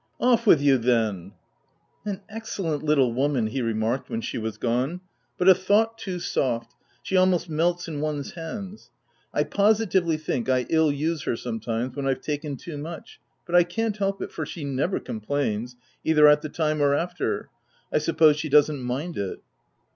" Off with you then !— An excellent little woman/ 5 he remarked when she was gone, " but a thought too soft — she almost melts in one's hands. I positively think I ill use her some times, when Pve taken too much — but I can't help it, for she never complains, either at the time or after. 1 suppose she doesn't mind it."